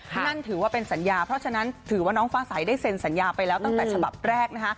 นั่นถือว่าเป็นสัญญาเพราะฉะนั้นถือว่าน้องฟ้าใสได้เซ็นสัญญาไปแล้วตั้งแต่ฉบับแรกนะคะ